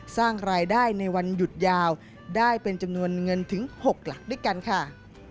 สร้างรายได้ในวันหยุดยาวได้เป็นจำนวนเงินถึง๖หลักด้วยกันค่ะ